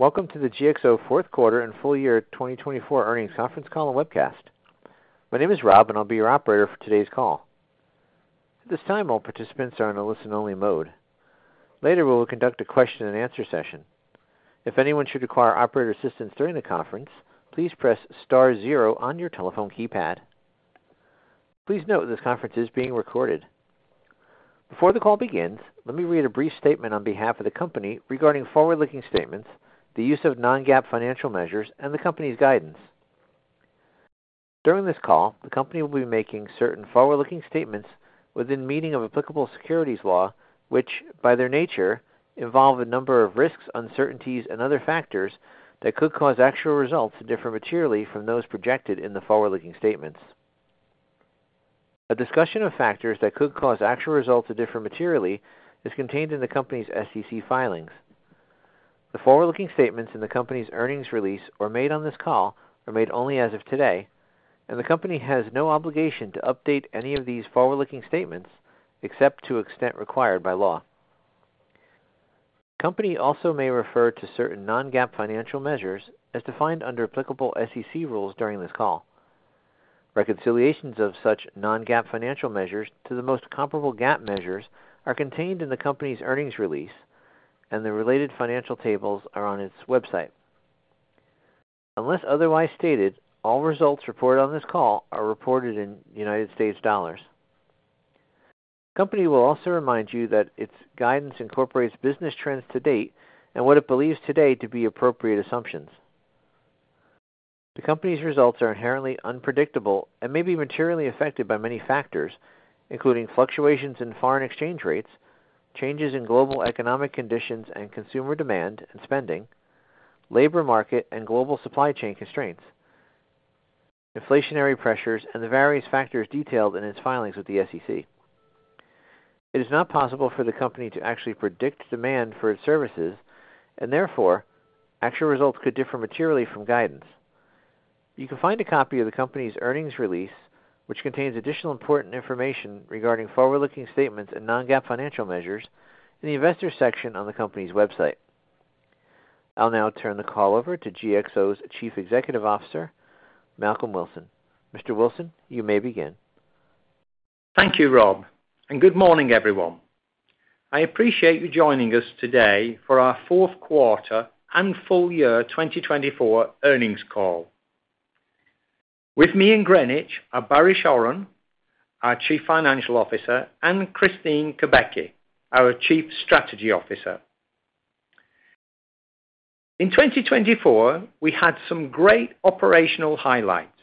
Welcome to the GXO fourth quarter and full year 2024 earnings conference call and webcast. My name is Rob, and I'll be your operator for today's call. At this time, all participants are in a listen-only mode. Later, we will conduct a question-and-answer session. If anyone should require operator assistance during the conference, please press star zero on your telephone keypad. Please note this conference is being recorded. Before the call begins, let me read a brief statement on behalf of the company regarding forward-looking statements, the use of non-GAAP financial measures, and the company's guidance. During this call, the company will be making certain forward-looking statements within meaning of applicable securities law, which, by their nature, involve a number of risks, uncertainties, and other factors that could cause actual results to differ materially from those projected in the forward-looking statements. A discussion of factors that could cause actual results to differ materially is contained in the company's SEC filings. The forward-looking statements in the company's earnings release or made on this call are made only as of today, and the company has no obligation to update any of these forward-looking statements except to the extent required by law. The company also may refer to certain non-GAAP financial measures as defined under applicable SEC rules during this call. Reconciliations of such non-GAAP financial measures to the most comparable GAAP measures are contained in the company's earnings release, and the related financial tables are on its website. Unless otherwise stated, all results reported on this call are reported in United States dollars. The company will also remind you that its guidance incorporates business trends to date and what it believes today to be appropriate assumptions. The company's results are inherently unpredictable and may be materially affected by many factors, including fluctuations in foreign exchange rates, changes in global economic conditions and consumer demand and spending, labor market and global supply chain constraints, inflationary pressures, and the various factors detailed in its filings with the SEC. It is not possible for the company to actually predict demand for its services, and therefore, actual results could differ materially from guidance. You can find a copy of the company's earnings release, which contains additional important information regarding forward-looking statements and non-GAAP financial measures, in the investor section on the company's website. I'll now turn the call over to GXO's Chief Executive Officer, Malcolm Wilson. Mr. Wilson, you may begin. Thank you, Rob, and good morning, everyone. I appreciate you joining us today for our fourth quarter and full year 2024 earnings call. With me in Greenwich are Baris Oran, our Chief Financial Officer, and Kristine Kubacki, our Chief Strategy Officer. In 2024, we had some great operational highlights.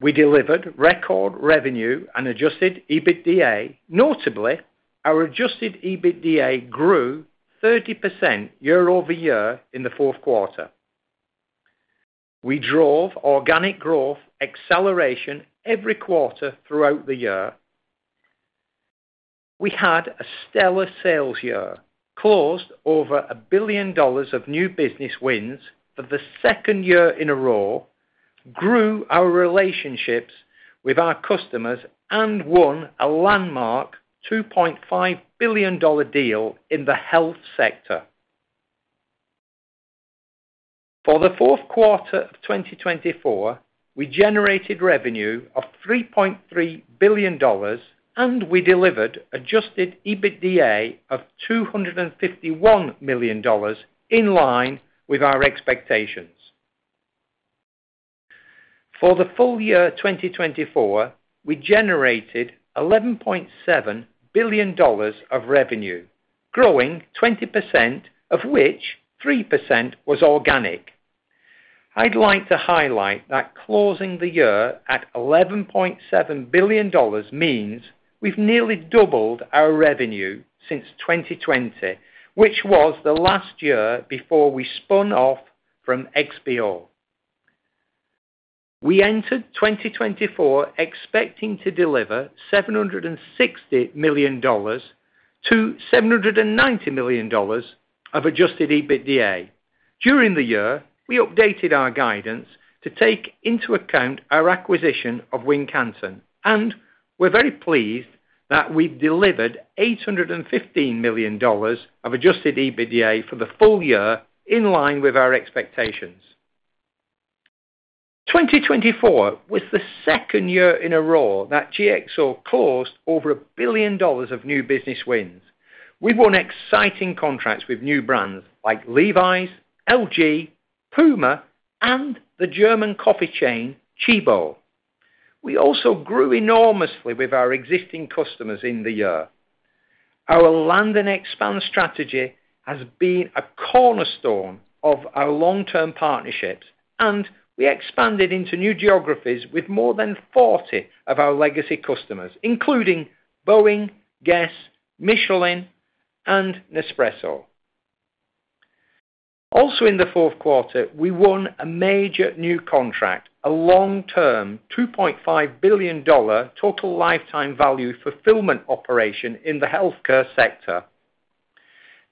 We delivered record revenue and adjusted EBITDA. Notably, our adjusted EBITDA grew 30% year over year in the fourth quarter. We drove organic growth acceleration every quarter throughout the year. We had a stellar sales year, closed over $1 billion of new business wins for the second year in a row, grew our relationships with our customers, and won a landmark $2.5 billion deal in the health sector. For the fourth quarter of 2024, we generated revenue of $3.3 billion, and we delivered adjusted EBITDA of $251 million in line with our expectations. For the full year 2024, we generated $11.7 billion of revenue, growing 20%, of which 3% was organic. I'd like to highlight that closing the year at $11.7 billion means we've nearly doubled our revenue since 2020, which was the last year before we spun off from XPO. We entered 2024 expecting to deliver $760 million-$790 million of Adjusted EBITDA. During the year, we updated our guidance to take into account our acquisition of Wincanton, and we're very pleased that we've delivered $815 million of Adjusted EBITDA for the full year in line with our expectations. 2024 was the second year in a row that GXO closed over a billion dollars of new business wins. We've won exciting contracts with new brands like Levi's, LG, Puma, and the German coffee chain Tchibo. We also grew enormously with our existing customers in the year. Our land and expand strategy has been a cornerstone of our long-term partnerships, and we expanded into new geographies with more than 40 of our legacy customers, including Boeing, Guess, Michelin, and Nespresso. Also, in the fourth quarter, we won a major new contract, a long-term $2.5 billion total lifetime value fulfillment operation in the healthcare sector.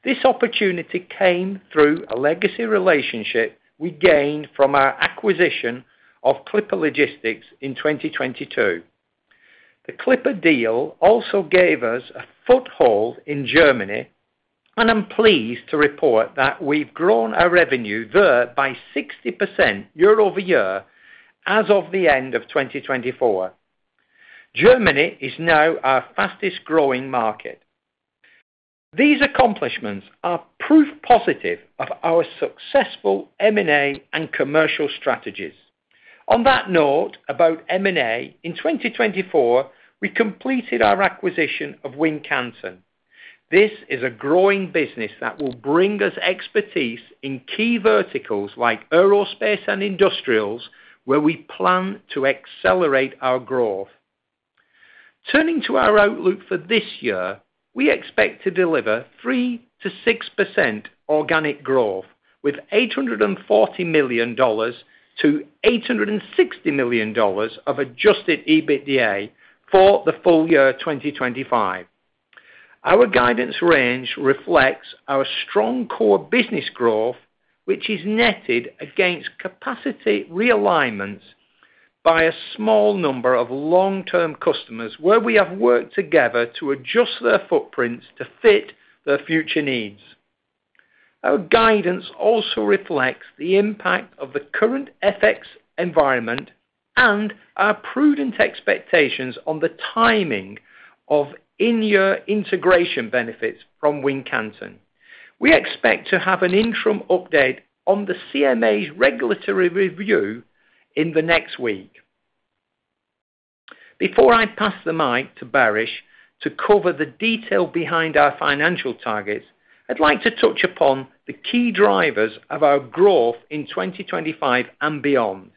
This opportunity came through a legacy relationship we gained from our acquisition of Clipper Logistics in 2022. The Clipper deal also gave us a foothold in Germany, and I'm pleased to report that we've grown our revenue there by 60% year over year as of the end of 2024. Germany is now our fastest growing market. These accomplishments are proof positive of our successful M&A and commercial strategies. On that note about M&A, in 2024, we completed our acquisition of Wincanton. This is a growing business that will bring us expertise in key verticals like aerospace and industrials, where we plan to accelerate our growth. Turning to our outlook for this year, we expect to deliver 3%-6% organic growth with $840 million-$860 million of adjusted EBITDA for the full year 2025. Our guidance range reflects our strong core business growth, which is netted against capacity realignments by a small number of long-term customers, where we have worked together to adjust their footprints to fit their future needs. Our guidance also reflects the impact of the current FX environment and our prudent expectations on the timing of in-year integration benefits from Wincanton. We expect to have an interim update on the CMA's regulatory review in the next week. Before I pass the mic to Baris to cover the detail behind our financial targets, I'd like to touch upon the key drivers of our growth in 2025 and beyond.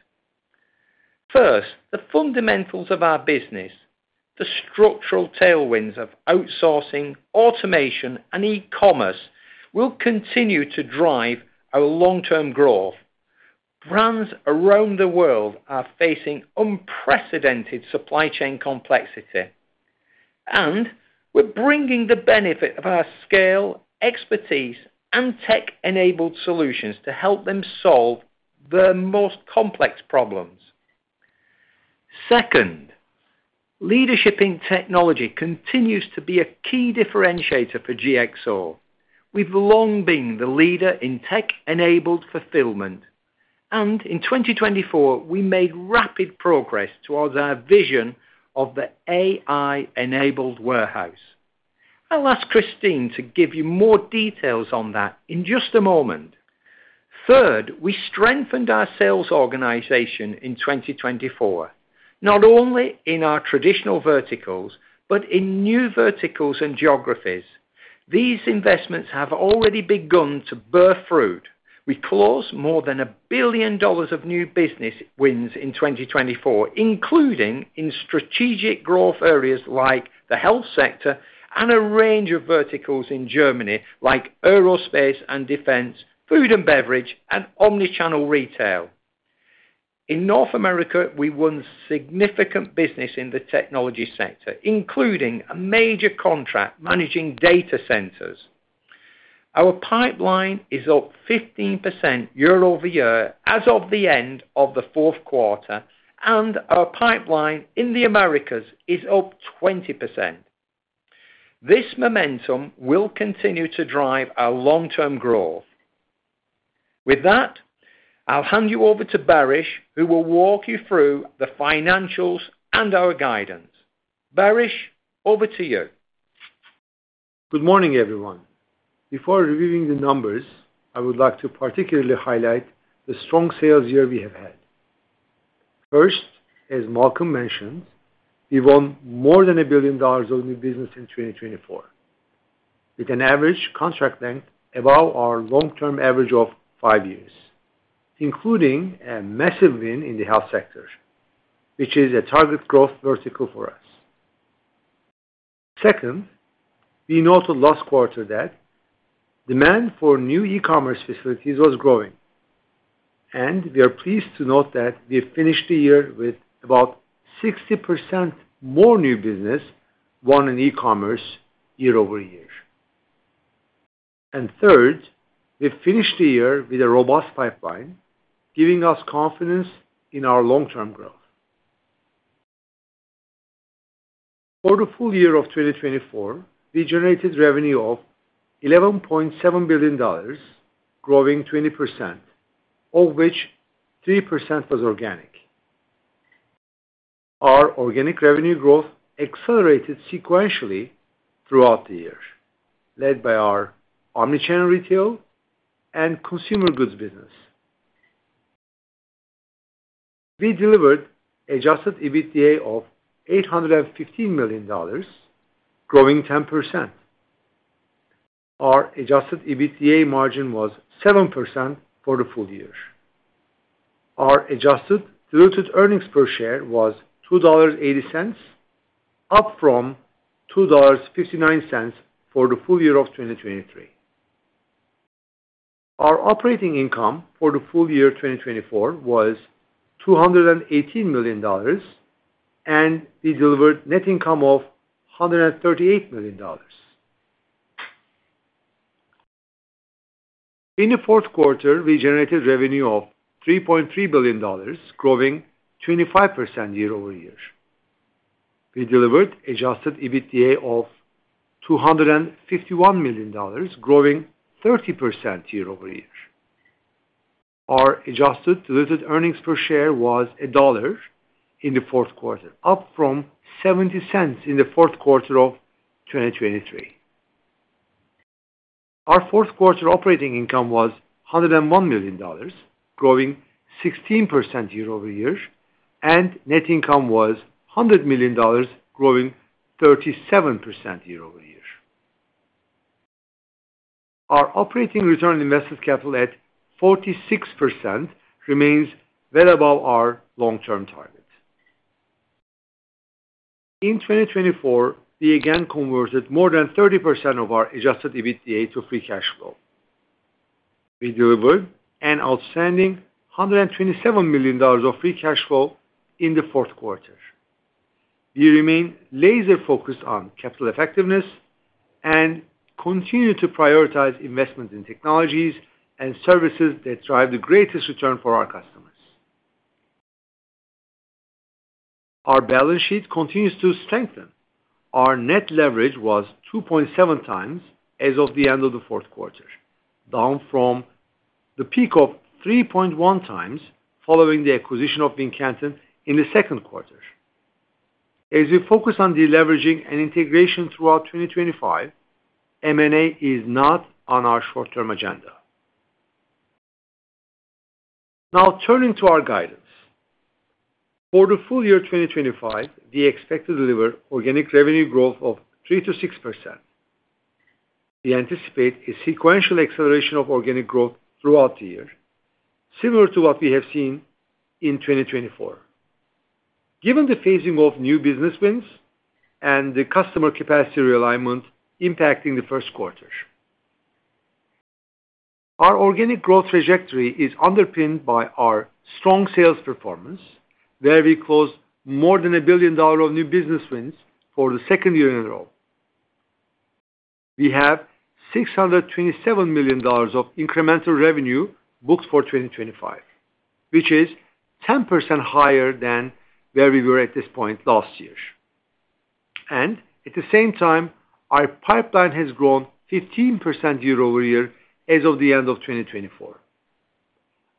First, the fundamentals of our business, the structural tailwinds of outsourcing, automation, and e-commerce will continue to drive our long-term growth. Brands around the world are facing unprecedented supply chain complexity, and we're bringing the benefit of our scale, expertise, and tech-enabled solutions to help them solve their most complex problems. Second, leadership in technology continues to be a key differentiator for GXO. We've long been the leader in tech-enabled fulfillment, and in 2024, we made rapid progress towards our vision of the AI-enabled warehouse. I'll ask Kristine to give you more details on that in just a moment. Third, we strengthened our sales organization in 2024, not only in our traditional verticals but in new verticals and geographies. These investments have already begun to bear fruit. We closed more than $1 billion of new business wins in 2024, including in strategic growth areas like the health sector and a range of verticals in Germany like aerospace and defense, food and beverage, and omnichannel retail. In North America, we won significant business in the technology sector, including a major contract managing data centers. Our pipeline is up 15% year over year as of the end of the fourth quarter, and our pipeline in the Americas is up 20%. This momentum will continue to drive our long-term growth. With that, I'll hand you over to Baris, who will walk you through the financials and our guidance. Baris, over to you. Good morning, everyone. Before reviewing the numbers, I would like to particularly highlight the strong sales year we have had. First, as Malcolm mentioned, we won more than $1 billion of new business in 2024, with an average contract length above our long-term average of five years, including a massive win in the health sector, which is a target growth vertical for us. Second, we noted last quarter that demand for new e-commerce facilities was growing, and we are pleased to note that we finished the year with about 60% more new business won in e-commerce year over year. And third, we finished the year with a robust pipeline, giving us confidence in our long-term growth. For the full year of 2024, we generated revenue of $11.7 billion, growing 20%, of which 3% was organic. Our organic revenue growth accelerated sequentially throughout the year, led by our omnichannel retail and consumer goods business. We delivered adjusted EBITDA of $815 million, growing 10%. Our adjusted EBITDA margin was 7% for the full year. Our adjusted diluted earnings per share was $2.80, up from $2.59 for the full year of 2023. Our operating income for the full year 2024 was $218 million, and we delivered net income of $138 million. In the fourth quarter, we generated revenue of $3.3 billion, growing 25% year over year. We delivered adjusted EBITDA of $251 million, growing 30% year over year. Our adjusted diluted earnings per share was $1 in the fourth quarter, up from $0.70 in the fourth quarter of 2023. Our fourth quarter operating income was $101 million, growing 16% year over year, and net income was $100 million, growing 37% year over year. Our operating return on invested capital at 46% remains well above our long-term target. In 2024, we again converted more than 30% of our adjusted EBITDA to free cash flow. We delivered an outstanding $127 million of free cash flow in the fourth quarter. We remain laser-focused on capital effectiveness and continue to prioritize investment in technologies and services that drive the greatest return for our customers. Our balance sheet continues to strengthen. Our net leverage was 2.7 times as of the end of the fourth quarter, down from the peak of 3.1 times following the acquisition of Wincanton in the second quarter. As we focus on deleveraging and integration throughout 2025, M&A is not on our short-term agenda. Now, turning to our guidance. For the full year 2025, we expect to deliver organic revenue growth of 3% to 6%. We anticipate a sequential acceleration of organic growth throughout the year, similar to what we have seen in 2024, given the phasing of new business wins and the customer capacity realignment impacting the first quarter. Our organic growth trajectory is underpinned by our strong sales performance, where we closed more than a billion dollars of new business wins for the second year in a row. We have $627 million of incremental revenue booked for 2025, which is 10% higher than where we were at this point last year. And at the same time, our pipeline has grown 15% year over year as of the end of 2024.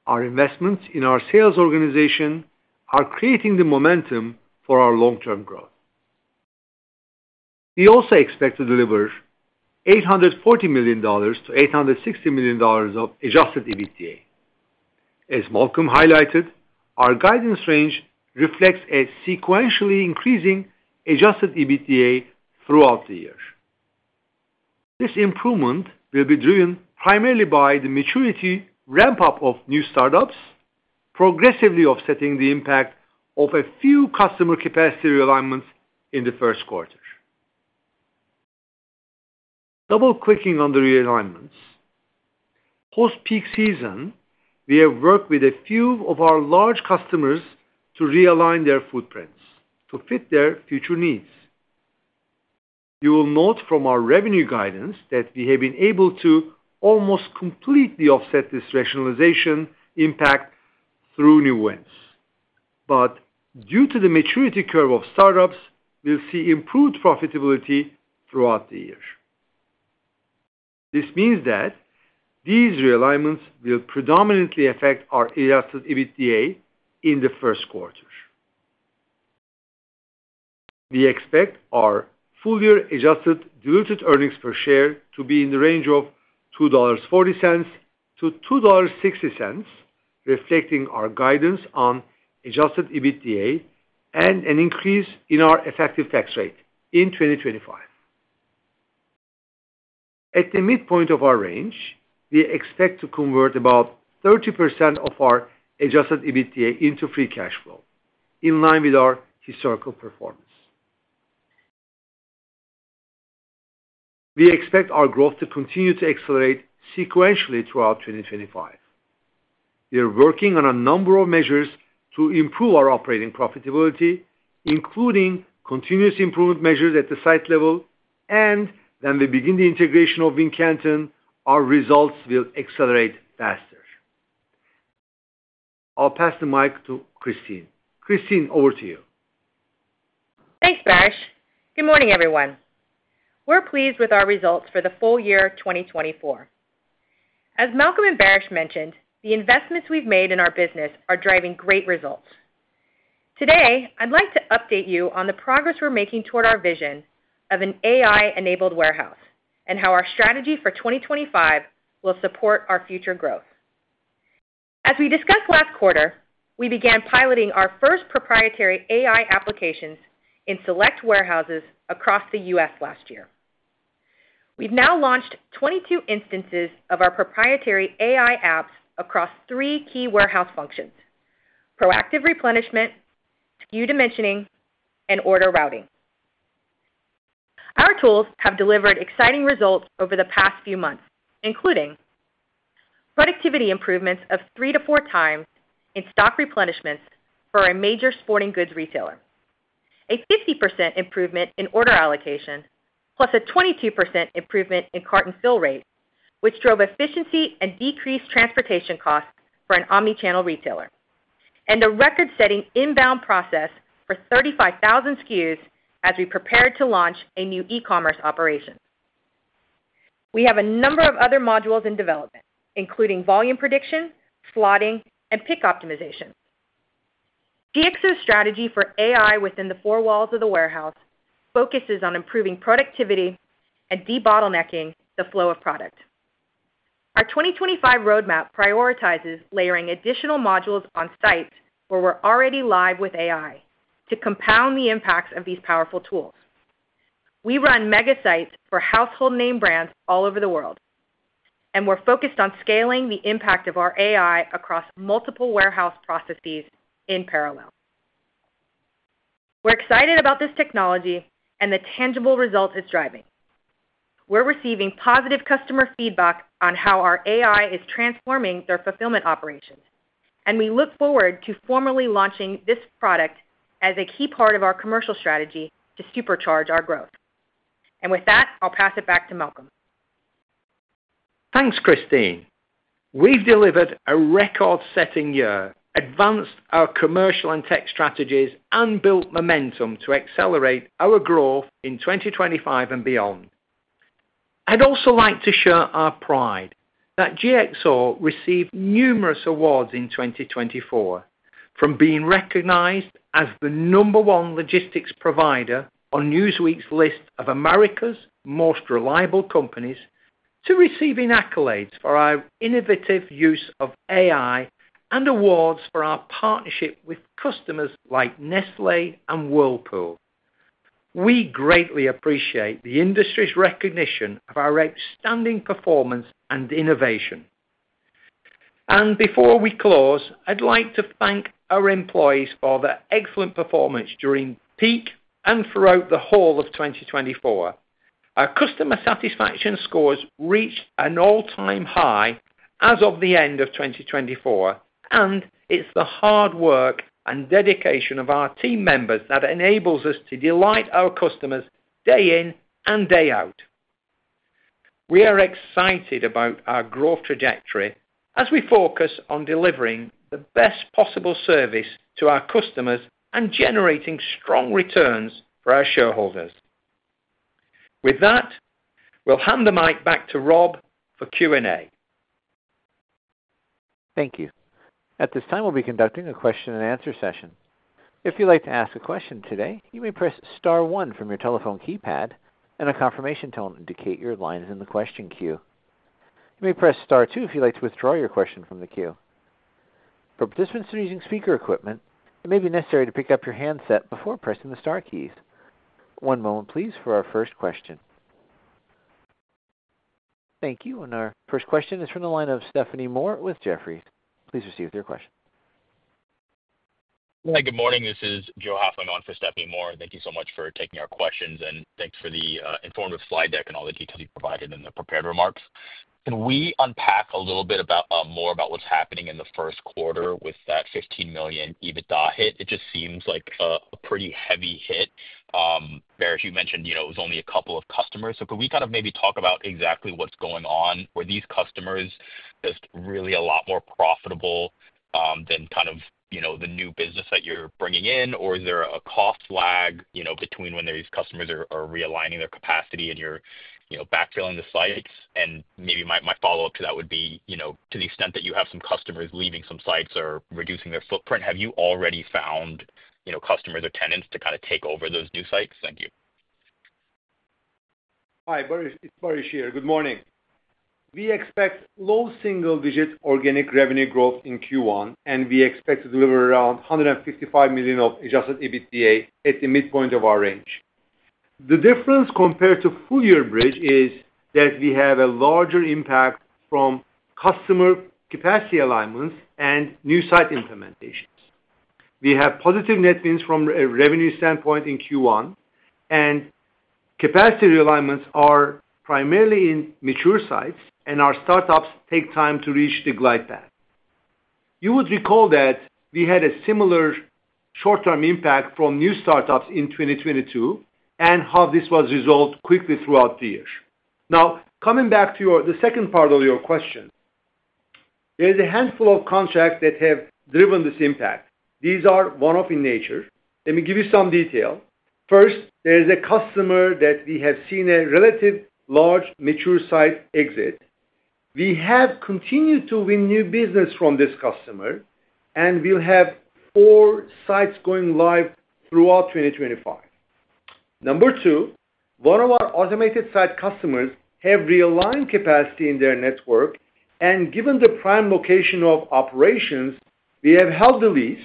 Our investments in our sales organization are creating the momentum for our long-term growth. We also expect to deliver $840 million-$860 million of Adjusted EBITDA. As Malcolm highlighted, our guidance range reflects a sequentially increasing Adjusted EBITDA throughout the year. This improvement will be driven primarily by the maturity ramp-up of new startups, progressively offsetting the impact of a few customer capacity realignments in the first quarter. Double-clicking on the realignments. Post-peak season, we have worked with a few of our large customers to realign their footprints to fit their future needs. You will note from our revenue guidance that we have been able to almost completely offset this rationalization impact through new wins. But due to the maturity curve of startups, we'll see improved profitability throughout the year. This means that these realignments will predominantly affect our adjusted EBITDA in the first quarter. We expect our full-year adjusted diluted earnings per share to be in the range of $2.40-$2.60, reflecting our guidance on adjusted EBITDA and an increase in our effective tax rate in 2025. At the midpoint of our range, we expect to convert about 30% of our Adjusted EBITDA into free cash flow, in line with our historical performance. We expect our growth to continue to accelerate sequentially throughout 2025. We are working on a number of measures to improve our operating profitability, including continuous improvement measures at the site level, and when we begin the integration of Wincanton, our results will accelerate faster. I'll pass the mic to Kristine. Kristine, over to you. Thanks, Baris. Good morning, everyone. We're pleased with our results for the full year 2024. As Malcolm and Baris mentioned, the investments we've made in our business are driving great results. Today, I'd like to update you on the progress we're making toward our vision of an AI-enabled warehouse and how our strategy for 2025 will support our future growth. As we discussed last quarter, we began piloting our first proprietary AI applications in select warehouses across the U.S. last year. We've now launched 22 instances of our proprietary AI apps across three key warehouse functions: proactive replenishment, SKU dimensioning, and order routing. Our tools have delivered exciting results over the past few months, including productivity improvements of three to four times in stock replenishments for a major sporting goods retailer, a 50% improvement in order allocation, plus a 22% improvement in carton fill rate, which drove efficiency and decreased transportation costs for an omnichannel retailer, and a record-setting inbound process for 35,000 SKUs as we prepared to launch a new e-commerce operation. We have a number of other modules in development, including volume prediction, slotting, and pick optimization. GXO's strategy for AI within the four walls of the warehouse focuses on improving productivity and debottlenecking the flow of product. Our 2025 roadmap prioritizes layering additional modules on sites where we're already live with AI to compound the impacts of these powerful tools. We run mega sites for household name brands all over the world, and we're focused on scaling the impact of our AI across multiple warehouse processes in parallel. We're excited about this technology and the tangible results it's driving. We're receiving positive customer feedback on how our AI is transforming their fulfillment operations, and we look forward to formally launching this product as a key part of our commercial strategy to supercharge our growth. And with that, I'll pass it back to Malcolm. Thanks, Kristine. We've delivered a record-setting year, advanced our commercial and tech strategies, and built momentum to accelerate our growth in 2025 and beyond. I'd also like to share our pride that GXO received numerous awards in 2024, from being recognized as the number one logistics provider on Newsweek's list of America's most reliable companies to receiving accolades for our innovative use of AI and awards for our partnership with customers like Nestlé and Whirlpool. We greatly appreciate the industry's recognition of our outstanding performance and innovation. And before we close, I'd like to thank our employees for their excellent performance during peak and throughout the whole of 2024. Our customer satisfaction scores reached an all-time high as of the end of 2024, and it's the hard work and dedication of our team members that enables us to delight our customers day in and day out. We are excited about our growth trajectory as we focus on delivering the best possible service to our customers and generating strong returns for our shareholders. With that, we'll hand the mic back to Rob for Q&A. Thank you. At this time, we'll be conducting a question-and-answer session. If you'd like to ask a question today, you may press Star one from your telephone keypad, and a confirmation tone will indicate your line is in the question queue. You may press Star two if you'd like to withdraw your question from the queue. For participants who are using speaker equipment, it may be necessary to pick up your handset before pressing the Star keys. One moment, please, for our first question. Thank you. And our first question is from the line of Stephanie Moore with Jefferies. Please proceed with your question. Hi, good morning. This is Joe Hoffman on for Stephanie Moore. Thank you so much for taking our questions, and thanks for the informative slide deck and all the details you provided in the prepared remarks. Can we unpack a little bit more about what's happening in the first quarter with that $15 million EBITDA hit? It just seems like a pretty heavy hit. Baris, you mentioned it was only a couple of customers. So could we kind of maybe talk about exactly what's going on? Were these customers just really a lot more profitable than kind of the new business that you're bringing in? Or is there a cost lag between when these customers are realigning their capacity and you're backfilling the sites? Maybe my follow-up to that would be, to the extent that you have some customers leaving some sites or reducing their footprint, have you already found customers or tenants to kind of take over those new sites? Thank you. Hi, Baris here. Good morning. We expect low single-digit organic revenue growth in Q1, and we expect to deliver around $155 million of adjusted EBITDA at the midpoint of our range. The difference compared to full-year bridge is that we have a larger impact from customer capacity alignments and new site implementations. We have positive net wins from a revenue standpoint in Q1, and capacity realignments are primarily in mature sites, and our startups take time to reach the glide path. You would recall that we had a similar short-term impact from new startups in 2022 and how this was resolved quickly throughout the year. Now, coming back to the second part of your question, there is a handful of contracts that have driven this impact. These are one-off in nature. Let me give you some detail. First, there is a customer that we have seen a relatively large mature site exit. We have continued to win new business from this customer, and we'll have four sites going live throughout 2025. Number two, one of our automated site customers has realigned capacity in their network, and given the prime location of operations, we have held the lease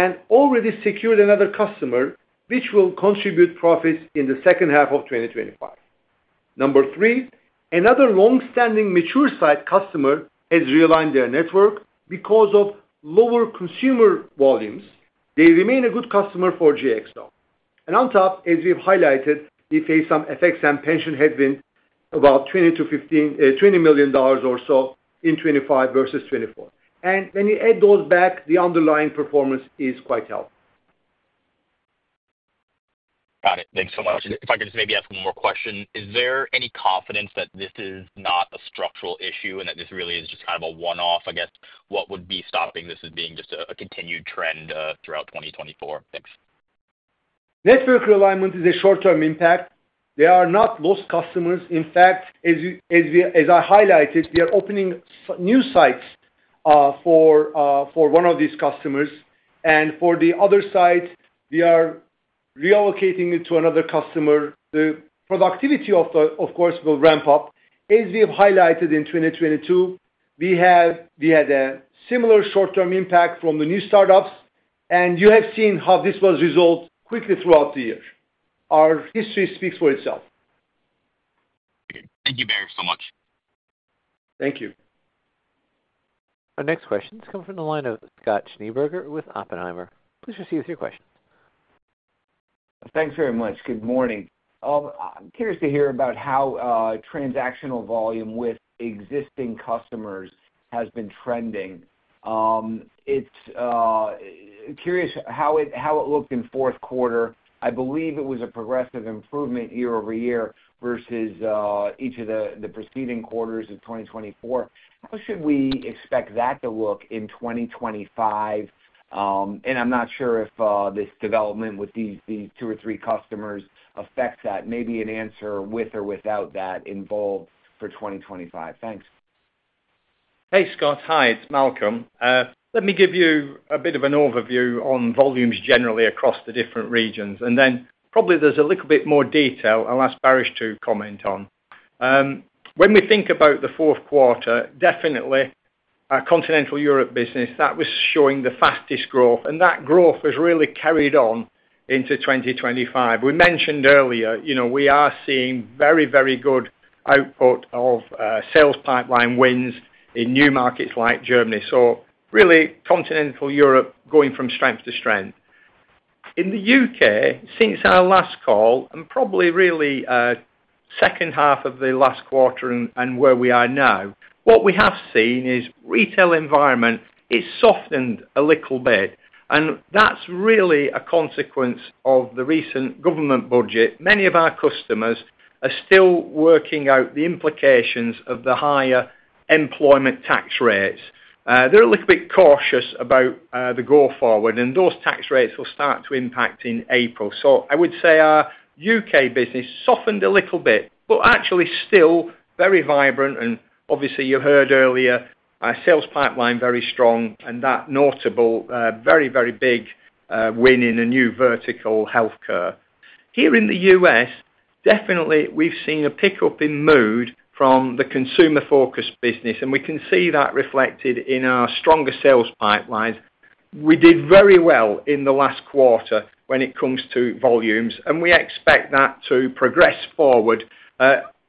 and already secured another customer, which will contribute profits in the second half of 2025. Number three, another long-standing mature site customer has realigned their network because of lower consumer volumes. They remain a good customer for GXO. And on top, as we've highlighted, we face some FX and pension headwinds about $20 million or so in 2025 versus 2024. And when you add those back, the underlying performance is quite healthy. Got it. Thanks so much. If I could just maybe ask one more question, is there any confidence that this is not a structural issue and that this really is just kind of a one-off? I guess, what would be stopping this as being just a continued trend throughout 2024? Thanks. Network realignment is a short-term impact. They are not lost customers. In fact, as I highlighted, we are opening new sites for one of these customers, and for the other site, we are relocating it to another customer. The productivity, of course, will ramp up. As we have highlighted in 2022, we had a similar short-term impact from the new startups, and you have seen how this was resolved quickly throughout the year. Our history speaks for itself. Thank you, Baris, so much. Thank you. Our next question has come from the line of Scott Schneeberger with Oppenheimer. Please proceed with your question. Thanks very much. Good morning. I'm curious to hear about how transactional volume with existing customers has been trending. Curious how it looked in fourth quarter. I believe it was a progressive improvement year over year versus each of the preceding quarters of 2024. How should we expect that to look in 2025? And I'm not sure if this development with these two or three customers affects that. Maybe an answer with or without that involved for 2025. Thanks. Hey, Scott. Hi, it's Malcolm. Let me give you a bit of an overview on volumes generally across the different regions. And then probably there's a little bit more detail I'll ask Baris to comment on. When we think about the fourth quarter, definitely our Continental Europe business, that was showing the fastest growth, and that growth has really carried on into 2025. We mentioned earlier we are seeing very, very good output of sales pipeline wins in new markets like Germany. So really, Continental Europe going from strength to strength. In the UK, since our last call and probably really second half of the last quarter and where we are now, what we have seen is the retail environment has softened a little bit, and that's really a consequence of the recent government budget. Many of our customers are still working out the implications of the higher employment tax rates. They're a little bit cautious about the go-forward, and those tax rates will start to impact in April. So I would say our U.K. business softened a little bit, but actually still very vibrant. And obviously, you heard earlier, our sales pipeline is very strong, and that notable, very, very big win in a new vertical, healthcare. Here in the U.S., definitely we've seen a pickup in mood from the consumer-focused business, and we can see that reflected in our stronger sales pipelines. We did very well in the last quarter when it comes to volumes, and we expect that to progress forward,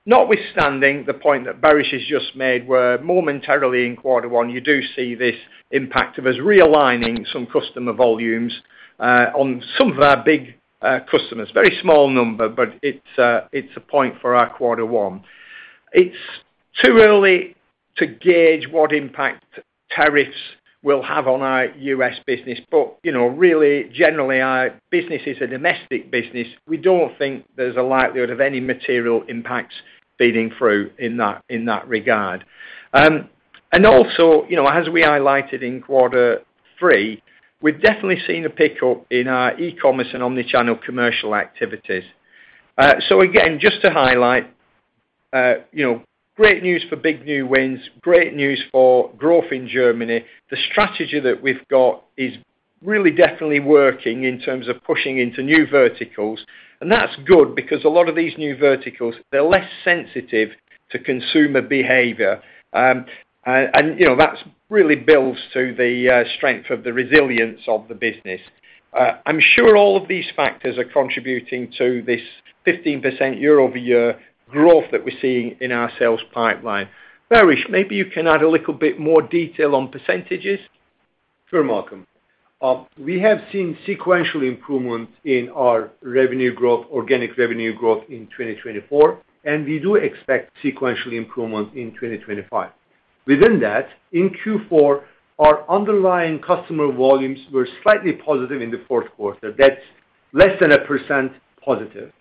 notwithstanding the point that Baris has just made where momentarily in quarter one, you do see this impact of us realigning some customer volumes on some of our big customers. Very small number, but it's a point for our quarter one. It's too early to gauge what impact tariffs will have on our U.S. business, but really, generally, our business is a domestic business. We don't think there's a likelihood of any material impacts feeding through in that regard, and also, as we highlighted in quarter three, we've definitely seen a pickup in our e-commerce and omnichannel commercial activities. Again, just to highlight, great news for big new wins, great news for growth in Germany, so again, just to highlight, great news for big new wins, great news for growth in Germany, the strategy that we've got is really definitely working in terms of pushing into new verticals, and that's good because a lot of these new verticals, they're less sensitive to consumer behavior, and that really builds to the strength of the resilience of the business. I'm sure all of these factors are contributing to this 15% year-over-year growth that we're seeing in our sales pipeline. Baris, maybe you can add a little bit more detail on percentages? Sure, Malcolm. We have seen sequential improvement in our organic revenue growth in 2024, and we do expect sequential improvement in 2025. Within that, in Q4, our underlying customer volumes were slightly positive in the fourth quarter. That's less than 1% positive.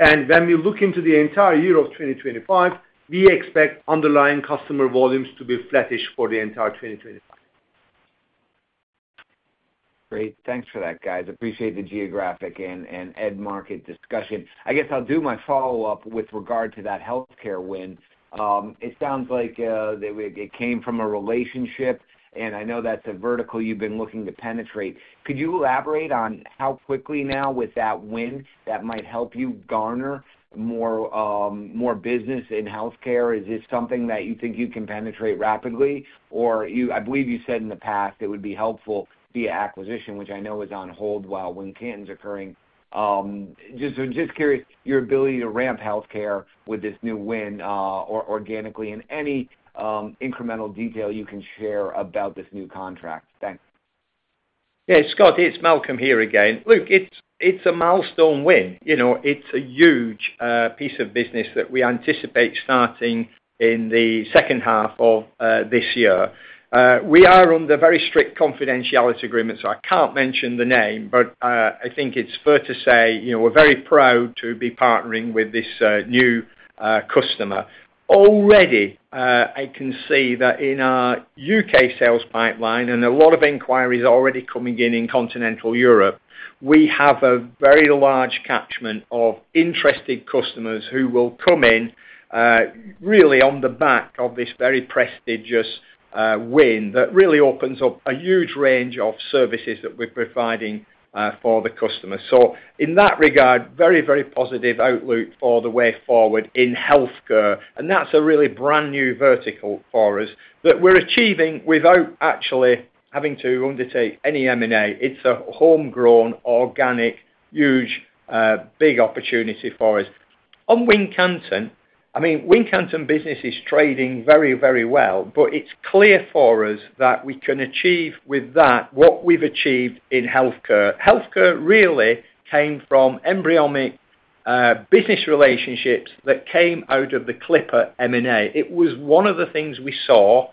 And when we look into the entire year of 2025, we expect underlying customer volumes to be flattish for the entire 2025. Great. Thanks for that, guys. Appreciate the geographic and end market discussion. I guess I'll do my follow-up with regard to that healthcare win. It sounds like it came from a relationship, and I know that's a vertical you've been looking to penetrate. Could you elaborate on how quickly now with that win that might help you garner more business in healthcare? Is this something that you think you can penetrate rapidly? Or I believe you said in the past it would be helpful via acquisition, which I know is on hold while the Wincanton acquisition is occurring. Just curious about your ability to ramp healthcare with this new win organically, and any incremental detail you can share about this new contract? Thanks. Yeah, Scott, it's Malcolm here again. Look, it's a milestone win. It's a huge piece of business that we anticipate starting in the second half of this year. We are under very strict confidentiality agreements, so I can't mention the name, but I think it's fair to say we're very proud to be partnering with this new customer. Already, I can see that in our UK sales pipeline and a lot of inquiries already coming in in Continental Europe, we have a very large catchment of interested customers who will come in really on the back of this very prestigious win that really opens up a huge range of services that we're providing for the customers. So in that regard, very, very positive outlook for the way forward in healthcare, and that's a really brand new vertical for us that we're achieving without actually having to undertake any M&A. It's a homegrown organic, huge, big opportunity for us. On Wincanton, I mean, Wincanton business is trading very, very well, but it's clear for us that we can achieve with that what we've achieved in healthcare. Healthcare really came from embryonic business relationships that came out of the Clipper M&A. It was one of the things we saw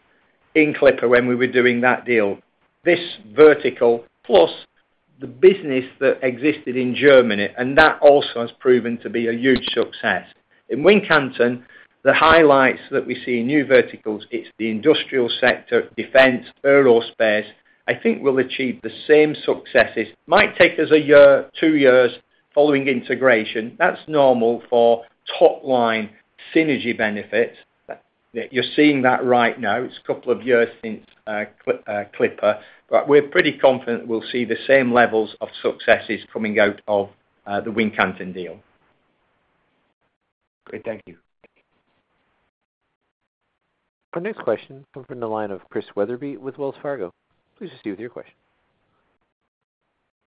in Clipper when we were doing that deal, this vertical plus the business that existed in Germany, and that also has proven to be a huge success. In Wincanton, the highlights that we see in new verticals, it's the industrial sector, defense, aerospace. I think we'll achieve the same successes. It might take us a year, two years following integration. That's normal for top-line synergy benefits. You're seeing that right now. It's a couple of years since Clipper, but we're pretty confident we'll see the same levels of successes coming out of the Wincanton deal. Great. Thank you. Our next question comes from the line of Chris Wetherbee with Wells Fargo. Please proceed with your question.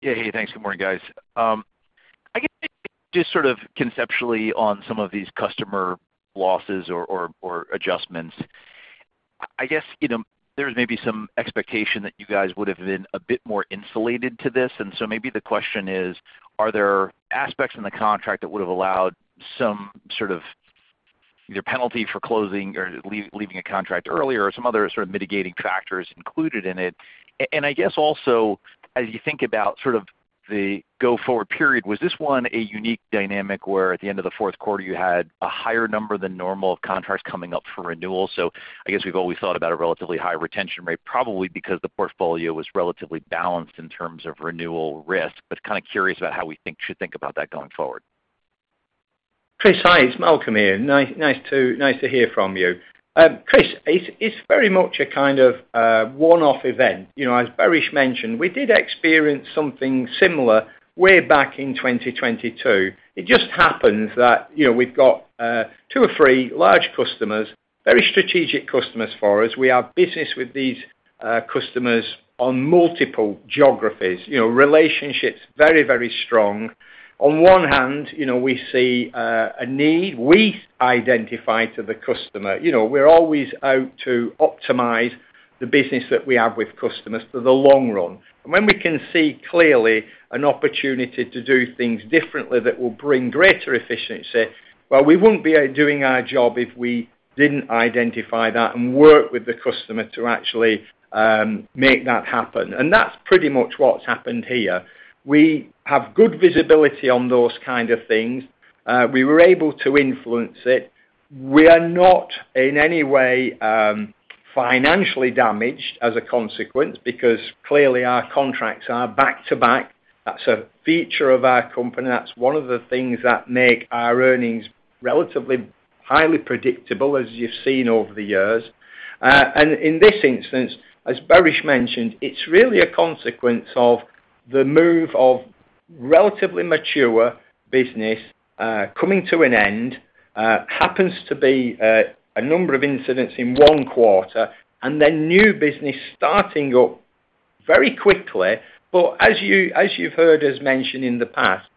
Yeah, hey. Thanks. Good morning, guys. I guess just sort of conceptually on some of these customer losses or adjustments, I guess there's maybe some expectation that you guys would have been a bit more insulated to this. And so maybe the question is, are there aspects in the contract that would have allowed some sort of either penalty for closing or leaving a contract earlier or some other sort of mitigating factors included in it? And I guess also, as you think about sort of the go-forward period, was this one a unique dynamic where at the end of the fourth quarter, you had a higher number than normal of contracts coming up for renewal? I guess we've always thought about a relatively high retention rate, probably because the portfolio was relatively balanced in terms of renewal risk, but kind of curious about how we should think about that going forward. Chris, hi. It's Malcolm here. Nice to hear from you. Chris, it's very much a kind of one-off event. As Baris mentioned, we did experience something similar way back in 2022. It just happens that we've got two or three large customers, very strategic customers for us. We have business with these customers on multiple geographies. Relationships are very, very strong. On one hand, we see a need we identify to the customer. We're always out to optimize the business that we have with customers for the long run, and when we can see clearly an opportunity to do things differently that will bring greater efficiency, well, we wouldn't be doing our job if we didn't identify that and work with the customer to actually make that happen, and that's pretty much what's happened here. We have good visibility on those kinds of things. We were able to influence it. We are not in any way financially damaged as a consequence because clearly our contracts are back-to-back. That's a feature of our company. That's one of the things that make our earnings relatively highly predictable, as you've seen over the years. And in this instance, as Baris mentioned, it's really a consequence of the move of relatively mature business coming to an end. It happens to be a number of incidents in one quarter and then new business starting up very quickly. But as you've heard us mention in the past,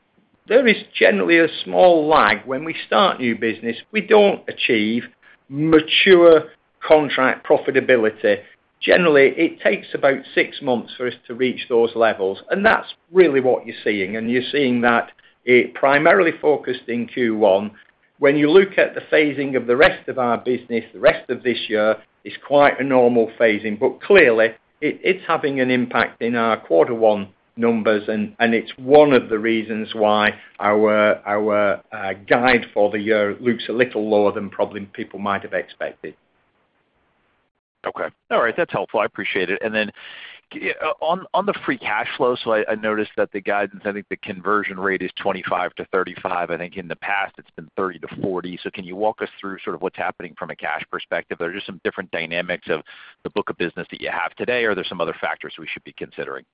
there is generally a small lag. When we start new business, we don't achieve mature contract profitability. Generally, it takes about six months for us to reach those levels, and that's really what you're seeing. And you're seeing that it's primarily focused in Q1. When you look at the phasing of the rest of our business, the rest of this year is quite a normal phasing, but clearly, it's having an impact in our quarter one numbers, and it's one of the reasons why our guide for the year looks a little lower than probably people might have expected. Okay. All right. That's helpful. I appreciate it. And then on the free cash flow, so I noticed that the guidance, I think the conversion rate is 25-35. I think in the past, it's been 30-40. So can you walk us through sort of what's happening from a cash perspective? Are there just some different dynamics of the book of business that you have today, or are there some other factors we should be considering?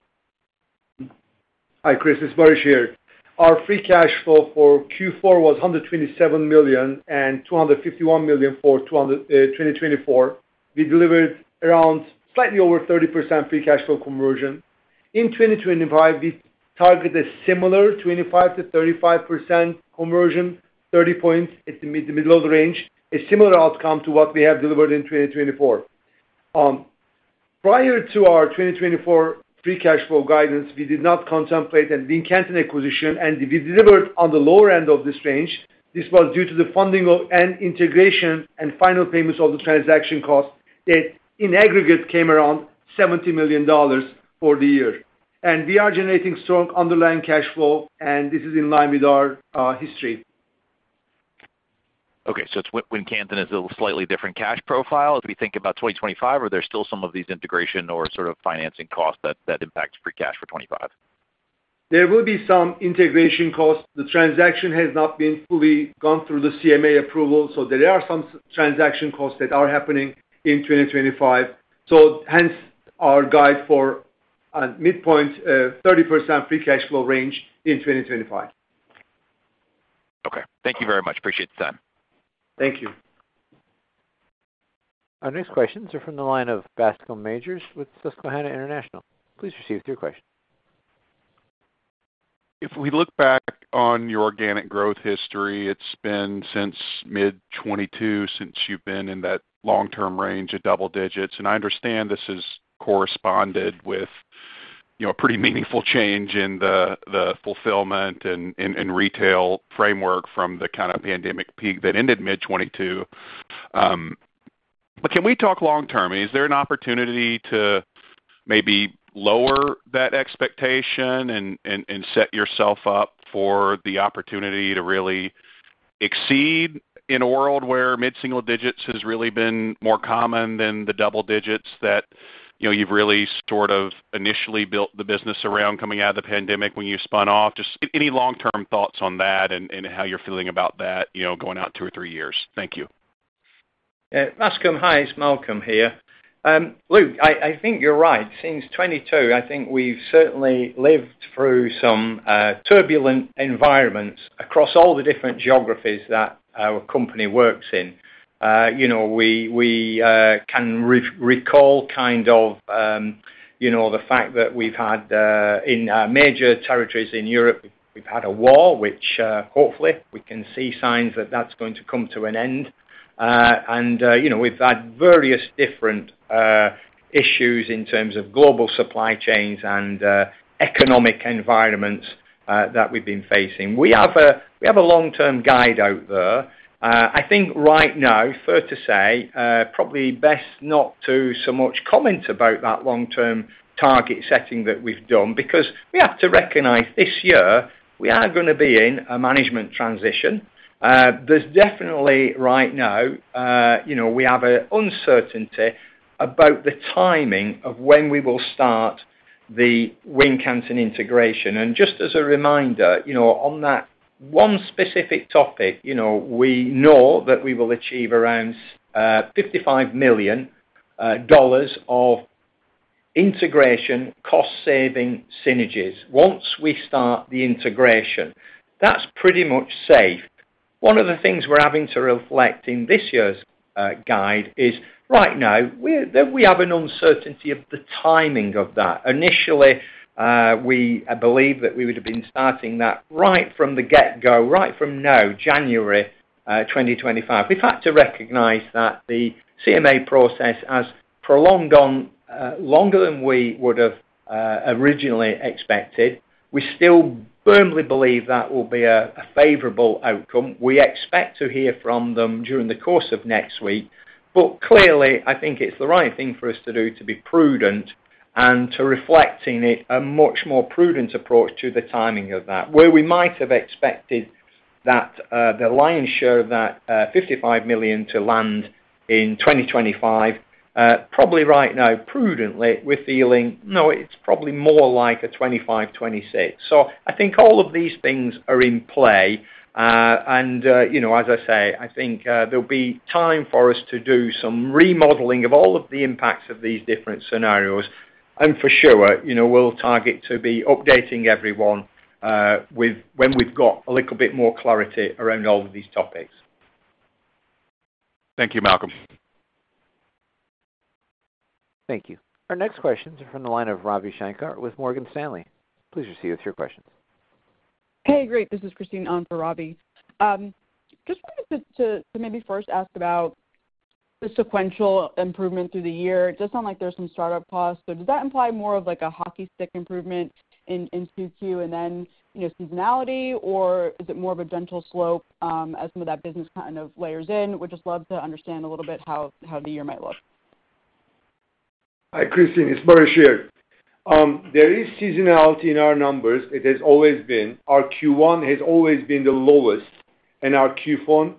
Hi, Chris. It's Baris here. Our free cash flow for Q4 was $127 million and $251 million for 2024. We delivered around slightly over 30% free cash flow conversion. In 2025, we target a similar 25%-35% conversion, 30 points at the middle of the range, a similar outcome to what we have delivered in 2024. Prior to our 2024 free cash flow guidance, we did not contemplate a Wincanton acquisition, and we delivered on the lower end of this range. This was due to the funding and integration and final payments of the transaction costs that in aggregate came around $70 million for the year, and we are generating strong underlying cash flow, and this is in line with our history. Okay, so Wincanton is a slightly different cash profile. As we think about 2025, are there still some of these integration or sort of financing costs that impact free cash for 2025? There will be some integration costs. The transaction has not been fully gone through the CMA approval, so there are some transaction costs that are happening in 2025. So hence our guide for midpoint, 30% free cash flow range in 2025. Okay. Thank you very much. Appreciate the time. Thank you. Our next questions are from the line of Bascome Majors with Susquehanna International. Please proceed with your question. If we look back on your organic growth history, it's been since mid-2022, since you've been in that long-term range of double digits. And I understand this has corresponded with a pretty meaningful change in the fulfillment and retail framework from the kind of pandemic peak that ended mid-2022. But can we talk long-term? Is there an opportunity to maybe lower that expectation and set yourself up for the opportunity to really exceed in a world where mid-single digits has really been more common than the double digits that you've really sort of initially built the business around coming out of the pandemic when you spun off? Just any long-term thoughts on that and how you're feeling about that going out two or three years? Thank you. Yeah. Bascom, hi. It's Malcolm here. Look, I think you're right. Since 2022, I think we've certainly lived through some turbulent environments across all the different geographies that our company works in. We can recall kind of the fact that we've had, in major territories in Europe, we've had a war, which hopefully we can see signs that that's going to come to an end, and we've had various different issues in terms of global supply chains and economic environments that we've been facing. We have a long-term guide out there. I think right now, fair to say, probably best not to so much comment about that long-term target setting that we've done because we have to recognize this year we are going to be in a management transition. There's definitely right now we have an uncertainty about the timing of when we will start the Wincanton integration. Just as a reminder, on that one specific topic, we know that we will achieve around $55 million of integration cost-saving synergies once we start the integration. That's pretty much safe. One of the things we're having to reflect in this year's guide is right now we have an uncertainty of the timing of that. Initially, I believe that we would have been starting that right from the get-go, right from now, January 2025. We've had to recognize that the CMA process has prolonged on longer than we would have originally expected. We still firmly believe that will be a favorable outcome. We expect to hear from them during the course of next week. But clearly, I think it's the right thing for us to do to be prudent and to reflect in it a much more prudent approach to the timing of that, where we might have expected that the lion's share of that $55 million to land in 2025, probably right now, prudently, we're feeling, no, it's probably more like a 2025, 2026. So I think all of these things are in play. And as I say, I think there'll be time for us to do some remodeling of all of the impacts of these different scenarios. And for sure, we'll target to be updating everyone when we've got a little bit more clarity around all of these topics. Thank you, Malcolm. Thank you. Our next questions are from the line of Ravi Shankar with Morgan Stanley. Please proceed with your questions. Hey, great. This is Christine on for Ravi. Just wanted to maybe first ask about the sequential improvement through the year. It does sound like there's some startup costs. So does that imply more of a hockey stick improvement in Q2 and then seasonality, or is it more of a gentle slope as some of that business kind of layers in? We'd just love to understand a little bit how the year might look. Hi, Christine. It's Baris here. There is seasonality in our numbers. It has always been. Our Q1 has always been the lowest, and our Q4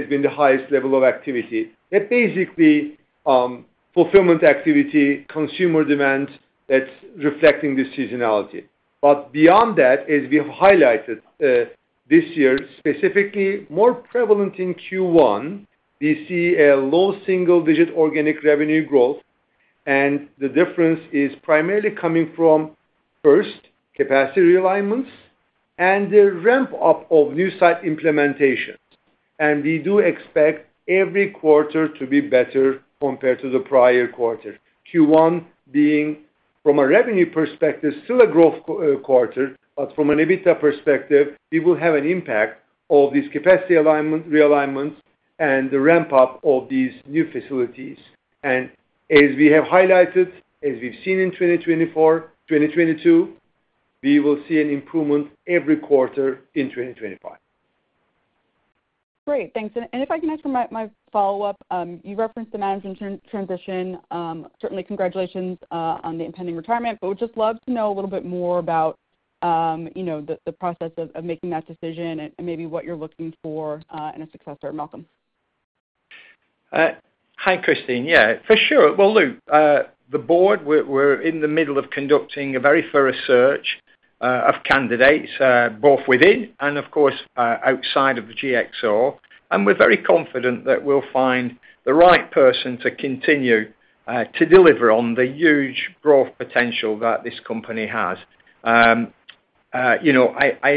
has been the highest level of activity. That basically fulfillment activity, consumer demand that's reflecting the seasonality. But beyond that, as we have highlighted this year, specifically more prevalent in Q1, we see a low single-digit organic revenue growth. And the difference is primarily coming from first, capacity realignments, and the ramp-up of new site implementations. And we do expect every quarter to be better compared to the prior quarter. Q1 being, from a revenue perspective, still a growth quarter, but from an EBITDA perspective, we will have an impact of these capacity realignments and the ramp-up of these new facilities. And as we have highlighted, as we've seen in 2024, 2022, we will see an improvement every quarter in 2025. Great. Thanks, and if I can ask for my follow-up, you referenced the management transition. Certainly, congratulations on the impending retirement, but we'd just love to know a little bit more about the process of making that decision and maybe what you're looking for in a success story, Malcolm. Hi, Christine. Yeah. For sure. Well, look, the board, we're in the middle of conducting a very thorough search of candidates, both within and, of course, outside of GXO. And we're very confident that we'll find the right person to continue to deliver on the huge growth potential that this company has. I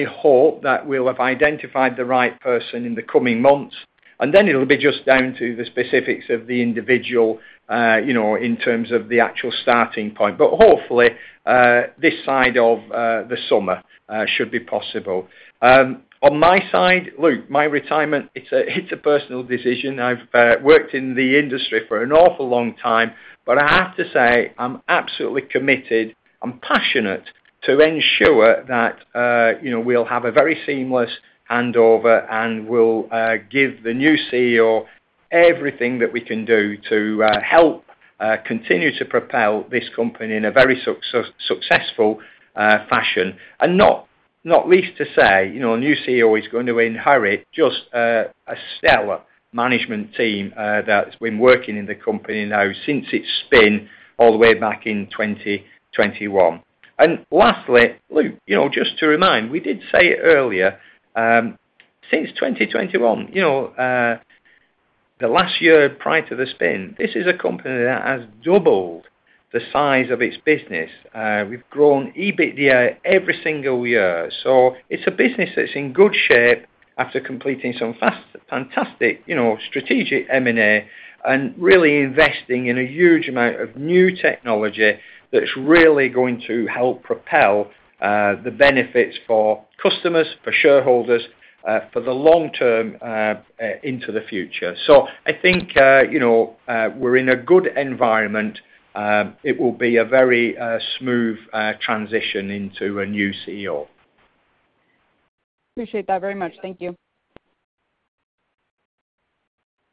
hope that we'll have identified the right person in the coming months. And then it'll be just down to the specifics of the individual in terms of the actual starting point. But hopefully, this side of the summer should be possible. On my side, look, my retirement, it's a personal decision. I've worked in the industry for an awful long time, but I have to say I'm absolutely committed and passionate to ensure that we'll have a very seamless handover and we'll give the new CEO everything that we can do to help continue to propel this company in a very successful fashion. And not least to say, a new CEO is going to inherit just a stellar management team that's been working in the company now since its spin all the way back in 2021. And lastly, look, just to remind, we did say it earlier, since 2021, the last year prior to the spin, this is a company that has doubled the size of its business. We've grown EBITDA every single year. So it's a business that's in good shape after completing some fantastic strategic M&A and really investing in a huge amount of new technology that's really going to help propel the benefits for customers, for shareholders, for the long term into the future. So I think we're in a good environment. It will be a very smooth transition into a new CEO. Appreciate that very much. Thank you.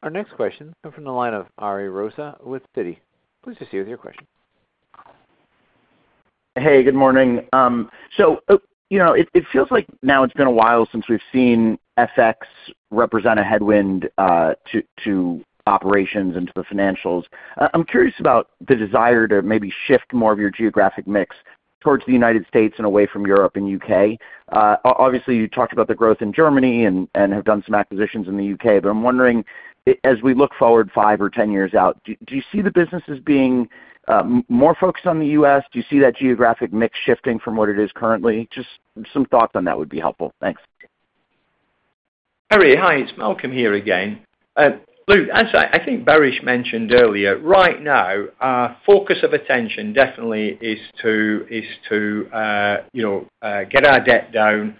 Our next question is from the line of Ari Rosa with Citi. Please proceed with your question. Hey, good morning. So it feels like now it's been a while since we've seen FX represent a headwind to operations and to the financials. I'm curious about the desire to maybe shift more of your geographic mix towards the United States and away from Europe and UK. Obviously, you talked about the growth in Germany and have done some acquisitions in the UK, but I'm wondering, as we look forward five or ten years out, do you see the businesses being more focused on the US? Do you see that geographic mix shifting from what it is currently? Just some thoughts on that would be helpful. Thanks. Ari, hi. It's Malcolm here again. Look, as I think Baris mentioned earlier, right now, our focus of attention definitely is to get our debt down,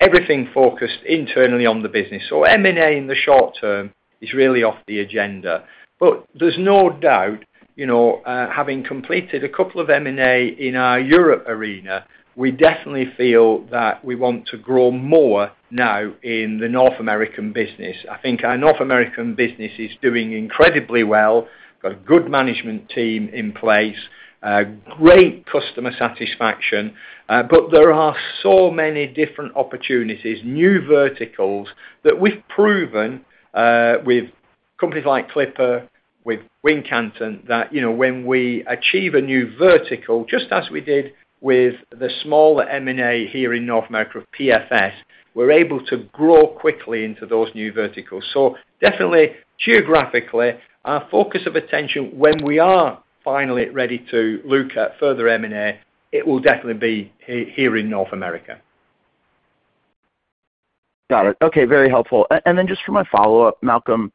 everything focused internally on the business. So M&A in the short term is really off the agenda. But there's no doubt, having completed a couple of M&A in our Europe arena, we definitely feel that we want to grow more now in the North American business. I think our North American business is doing incredibly well. We've got a good management team in place, great customer satisfaction. But there are so many different opportunities, new verticals that we've proven with companies like Clipper, with Wincanton, that when we achieve a new vertical, just as we did with the smaller M&A here in North America with PFS, we're able to grow quickly into those new verticals. Definitely, geographically, our focus of attention when we are finally ready to look at further M&A. It will definitely be here in North America. Got it. Okay. Very helpful. And then just for my follow-up, Malcolm,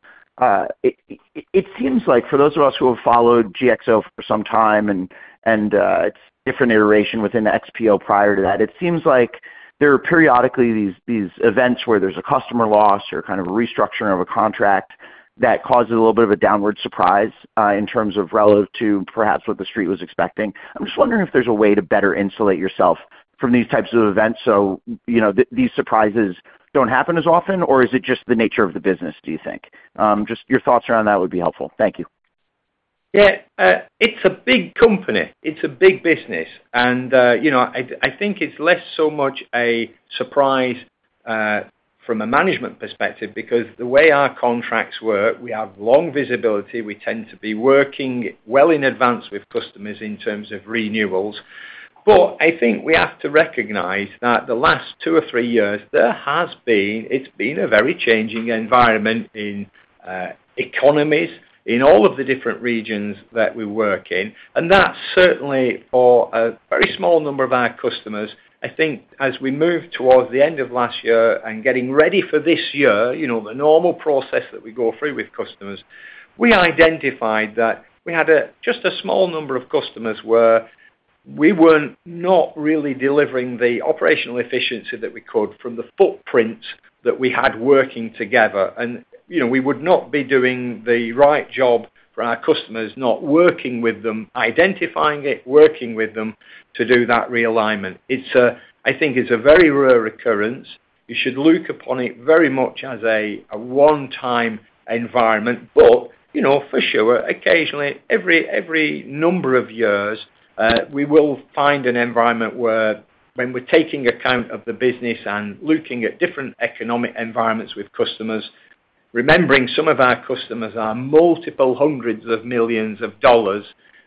it seems like for those of us who have followed GXO for some time and its different iteration within XPO prior to that, it seems like there are periodically these events where there's a customer loss or kind of a restructuring of a contract that causes a little bit of a downward surprise in terms of relative to perhaps what the street was expecting. I'm just wondering if there's a way to better insulate yourself from these types of events so these surprises don't happen as often, or is it just the nature of the business, do you think? Just your thoughts around that would be helpful. Thank you. Yeah. It's a big company. It's a big business. And I think it's less so much a surprise from a management perspective because the way our contracts work, we have long visibility. We tend to be working well in advance with customers in terms of renewals. But I think we have to recognize that the last two or three years, there has been a very changing environment in economies in all of the different regions that we work in. And that certainly, for a very small number of our customers, I think as we moved towards the end of last year and getting ready for this year, the normal process that we go through with customers, we identified that just a small number of customers were not really delivering the operational efficiency that we could from the footprint that we had working together. We would not be doing the right job for our customers, not working with them, identifying it, working with them to do that realignment. I think it's a very rare occurrence. You should look upon it very much as a one-time environment. But for sure, occasionally, every number of years, we will find an environment where when we're taking account of the business and looking at different economic environments with customers, remembering some of our customers are multiple hundreds of millions of dollars.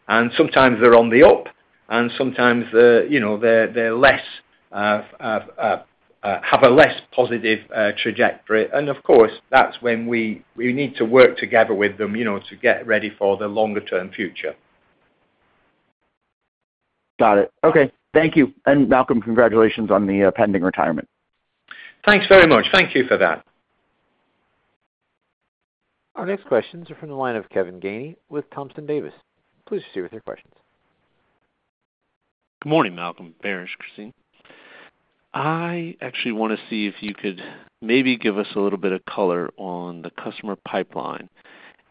And sometimes they're on the up, and sometimes they have a less positive trajectory. And of course, that's when we need to work together with them to get ready for the longer-term future. Got it. Okay. Thank you and Malcolm, congratulations on the pending retirement. Thanks very much. Thank you for that. Our next questions are from the line of Kevin Gainey with Thompson Davis. Please proceed with your questions. Good morning, Malcolm, Baris, Christine. I actually want to see if you could maybe give us a little bit of color on the customer pipeline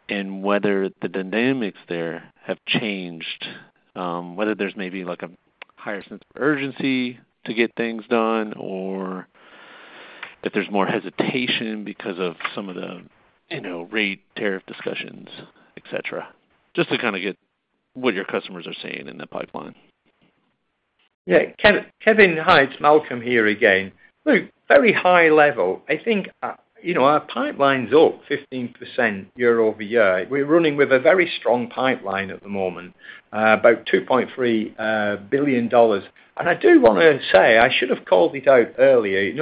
and whether the dynamics there have changed, whether there's maybe a higher sense of urgency to get things done or if there's more hesitation because of some of the rate tariff discussions, etc., just to kind of get what your customers are saying in the pipeline? Yeah. Kevin, hi. It's Malcolm here again. Look, very high level. I think our pipeline's up 15% year over year. We're running with a very strong pipeline at the moment, about $2.3 billion, and I do want to say I should have called it out earlier.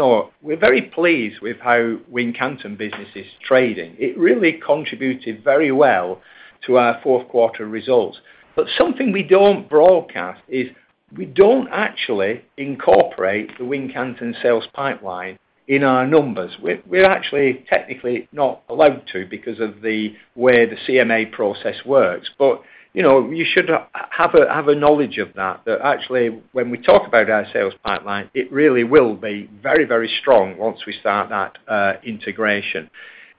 We're very pleased with how Wincanton business is trading. It really contributed very well to our fourth-quarter results, but something we don't broadcast is we don't actually incorporate the Wincanton sales pipeline in our numbers. We're actually technically not allowed to because of the way the CMA process works, but you should have a knowledge of that, that actually when we talk about our sales pipeline, it really will be very, very strong once we start that integration.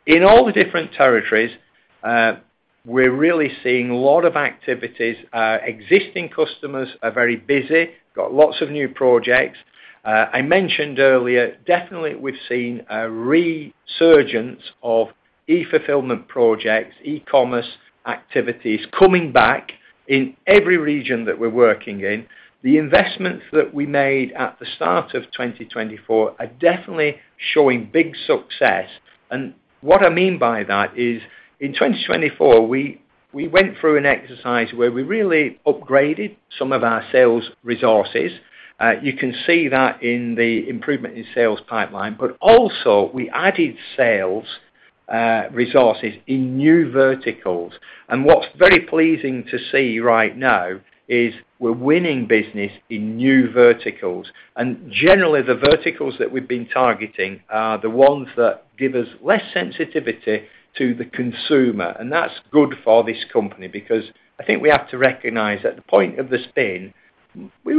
In all the different territories, we're really seeing a lot of activities. Existing customers are very busy. We've got lots of new projects. I mentioned earlier, definitely we've seen a resurgence of e-fulfillment projects, e-commerce activities coming back in every region that we're working in. The investments that we made at the start of 2024 are definitely showing big success, and what I mean by that is in 2024, we went through an exercise where we really upgraded some of our sales resources. You can see that in the improvement in sales pipeline, but also, we added sales resources in new verticals. And what's very pleasing to see right now is we're winning business in new verticals, and generally, the verticals that we've been targeting are the ones that give us less sensitivity to the consumer. And that's good for this company because I think we have to recognize at the point of the spin,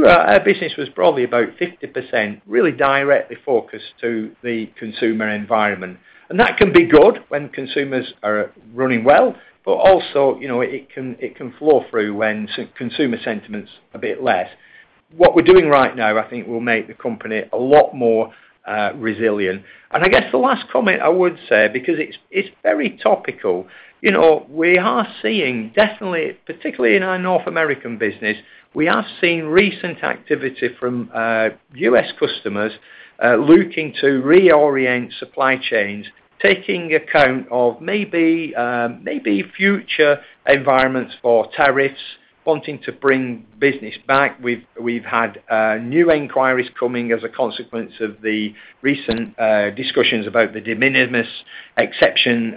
our business was probably about 50% really directly focused to the consumer environment. That can be good when consumers are running well, but also it can flow through when consumer sentiment's a bit less. What we're doing right now, I think, will make the company a lot more resilient. I guess the last comment I would say, because it's very topical, we are seeing definitely, particularly in our North American business, we have seen recent activity from U.S. customers looking to reorient supply chains, taking account of maybe future environments for tariffs, wanting to bring business back. We've had new inquiries coming as a consequence of the recent discussions about the de minimis exception,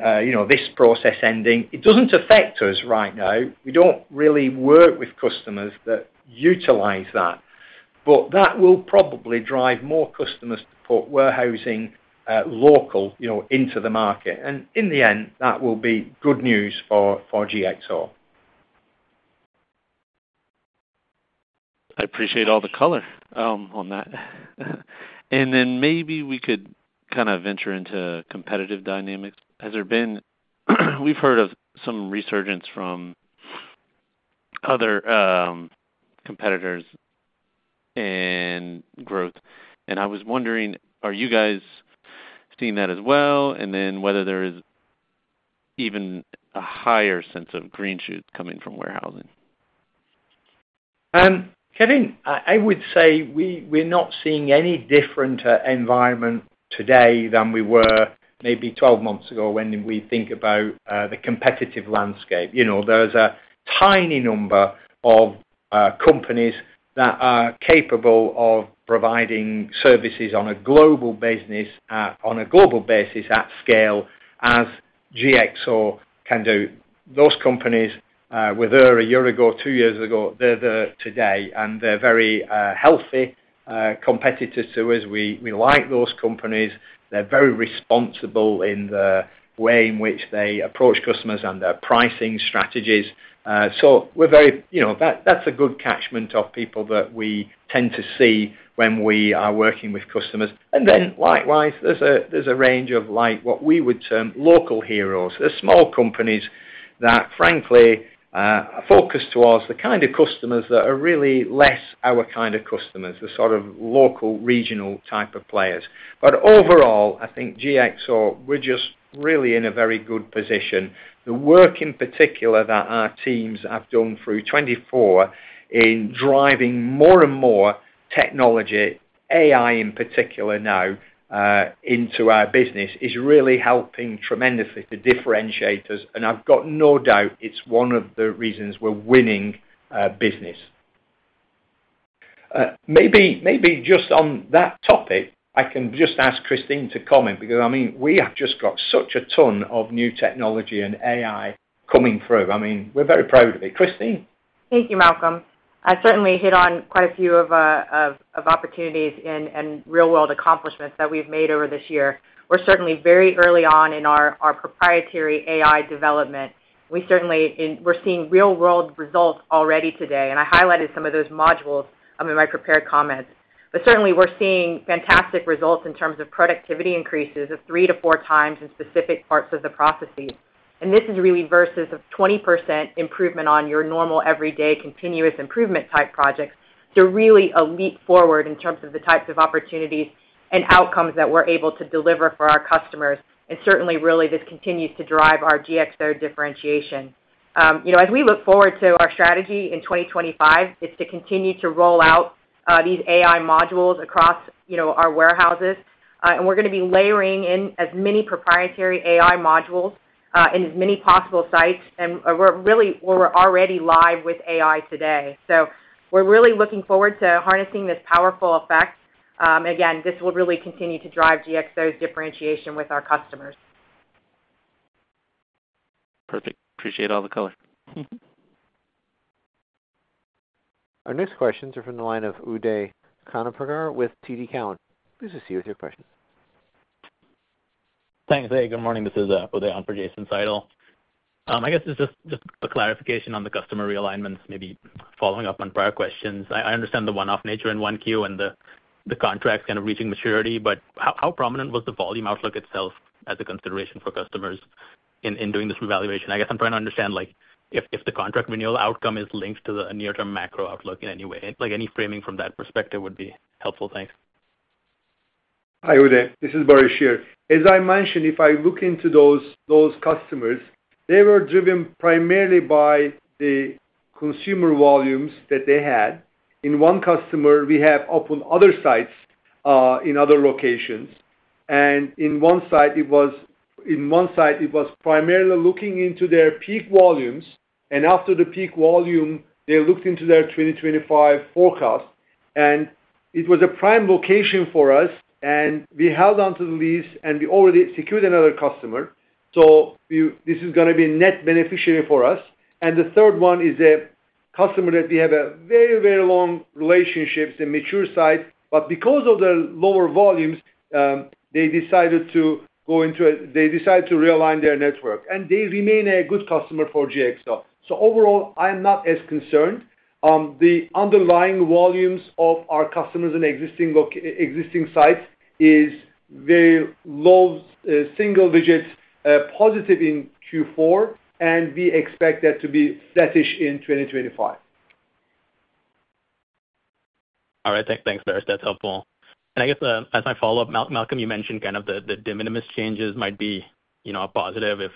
this process ending. It doesn't affect us right now. We don't really work with customers that utilize that. But that will probably drive more customers to put warehousing local into the market. And in the end, that will be good news for GXO. I appreciate all the color on that, and then maybe we could kind of venture into competitive dynamics. We've heard of some resurgence from other competitors and growth, and I was wondering, are you guys seeing that as well, and then whether there is even a higher sense of green shoots coming from warehousing? Kevin, I would say we're not seeing any different environment today than we were maybe 12 months ago when we think about the competitive landscape. There's a tiny number of companies that are capable of providing services on a global basis at scale as GXO can do. Those companies were here a year ago, two years ago, they're there today. And they're very healthy competitors to us. We like those companies. They're very responsible in the way in which they approach customers and their pricing strategies. So we're very, that's a good catchment of people that we tend to see when we are working with customers. And then likewise, there's a range of what we would term local heroes. There's small companies that, frankly, focus towards the kind of customers that are really less our kind of customers, the sort of local regional type of players. But overall, I think GXO, we're just really in a very good position. The work in particular that our teams have done through 2024 in driving more and more technology, AI in particular now, into our business is really helping tremendously to differentiate us. And I've got no doubt it's one of the reasons we're winning business. Maybe just on that topic, I can just ask Christine to comment because, I mean, we have just got such a ton of new technology and AI coming through. I mean, we're very proud of it. Christine? Thank you, Malcolm. I certainly hit on quite a few of opportunities and real-world accomplishments that we've made over this year. We're certainly very early on in our proprietary AI development. We're seeing real-world results already today, and I highlighted some of those modules in my prepared comments, but certainly, we're seeing fantastic results in terms of productivity increases of three to four times in specific parts of the processes, and this is really versus a 20% improvement on your normal everyday continuous improvement type projects, so really a leap forward in terms of the types of opportunities and outcomes that we're able to deliver for our customers, and certainly, really, this continues to drive our GXO differentiation. As we look forward to our strategy in 2025, it's to continue to roll out these AI modules across our warehouses. And we're going to be layering in as many proprietary AI modules in as many possible sites. And really, we're already live with AI today. So we're really looking forward to harnessing this powerful effect. Again, this will really continue to drive GXO's differentiation with our customers. Perfect. Appreciate all the color. Our next questions are from the line of Uday Khanapurkar with TD Cowen. Please proceed with your questions. Thanks. Hey, good morning. This is Uday Khanapurkar, Jason Seidel. I guess it's just a clarification on the customer realignments, maybe following up on prior questions. I understand the one-off nature in 1Q and the contracts kind of reaching maturity. But how prominent was the volume outlook itself as a consideration for customers in doing this realignment? I guess I'm trying to understand if the contract renewal outcome is linked to the near-term macro outlook in any way. Any framing from that perspective would be helpful. Thanks. Hi, Uday. This is Baris here. As I mentioned, if I look into those customers, they were driven primarily by the consumer volumes that they had. In one customer, we have open other sites in other locations. And in one site, it was primarily looking into their peak volumes. And after the peak volume, they looked into their 2025 forecast. And it was a prime location for us. And we held onto the lease, and we already secured another customer. So this is going to be a net beneficiary for us. And the third one is a customer that we have a very, very long relationship. It's a mature site. But because of the lower volumes, they decided to realign their network. And they remain a good customer for GXO. So overall, I'm not as concerned. The underlying volumes of our customers and existing sites is very low, single-digit positive in Q4, and we expect that to be flattish in 2025. All right. Thanks, Baris. That's helpful. And I guess as my follow-up, Malcolm, you mentioned kind of the de minimis changes might be a positive if,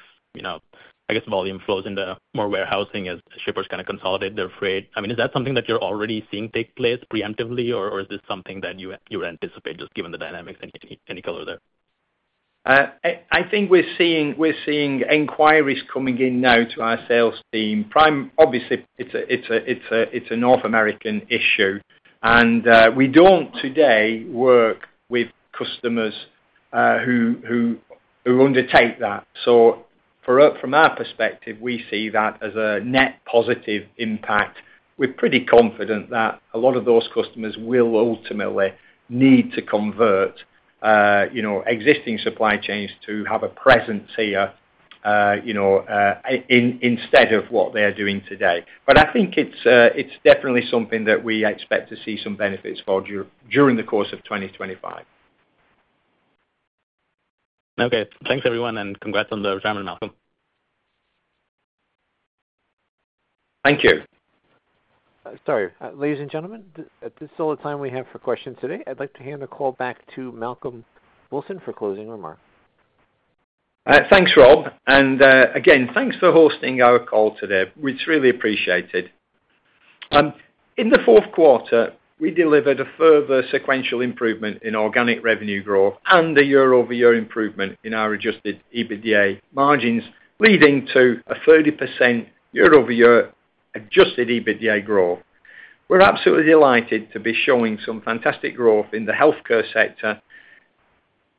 I guess, volume flows into more warehousing as shippers kind of consolidate their freight. I mean, is that something that you're already seeing take place preemptively, or is this something that you would anticipate just given the dynamics and any color there? I think we're seeing inquiries coming in now to our sales team. Obviously, it's a North American issue, and we don't today work with customers who undertake that, so from our perspective, we see that as a net positive impact. We're pretty confident that a lot of those customers will ultimately need to convert existing supply chains to have a presence here instead of what they are doing today, but I think it's definitely something that we expect to see some benefits for during the course of 2025. Okay. Thanks, everyone, and congrats on the retirement, Malcolm. Thank you. Sorry. Ladies and gentlemen, this is all the time we have for questions today. I'd like to hand the call back to Malcolm Wilson for closing remarks. Thanks, Rob. And again, thanks for hosting our call today. It's really appreciated. In the fourth quarter, we delivered a further sequential improvement in organic revenue growth and a year-over-year improvement in our Adjusted EBITDA margins, leading to a 30% year-over-year Adjusted EBITDA growth. We're absolutely delighted to be showing some fantastic growth in the healthcare sector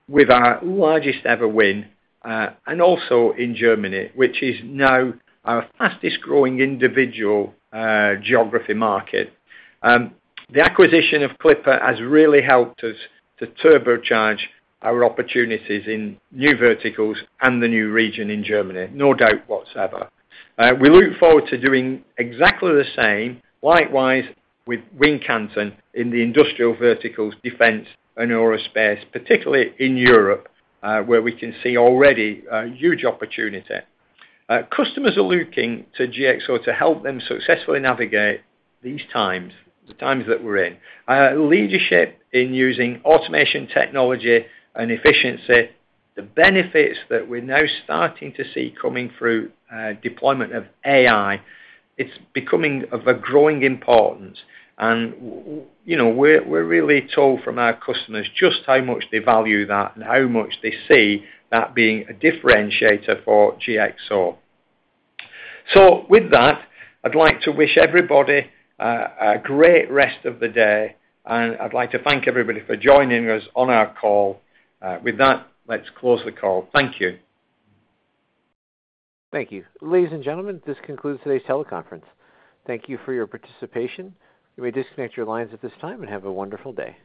with our largest ever win and also in Germany, which is now our fastest-growing individual geography market. The acquisition of Clipper has really helped us to turbocharge our opportunities in new verticals and the new region in Germany, no doubt whatsoever. We look forward to doing exactly the same, likewise with Wincanton in the industrial verticals, defense, and aerospace, particularly in Europe, where we can see already a huge opportunity. Customers are looking to GXO to help them successfully navigate these times, the times that we're in. Leadership in using automation technology and efficiency, the benefits that we're now starting to see coming through deployment of AI. It's becoming of a growing importance. And we're really told from our customers just how much they value that and how much they see that being a differentiator for GXO. So with that, I'd like to wish everybody a great rest of the day. And I'd like to thank everybody for joining us on our call. With that, let's close the call. Thank you. Thank you. Ladies and gentlemen, this concludes today's teleconference. Thank you for your participation. You may disconnect your lines at this time and have a wonderful day.